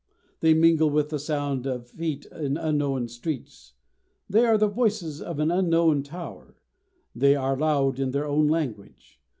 They mingle with the sound of feet in unknown streets, they are the voices of an unknown tower; they are loud in their own language.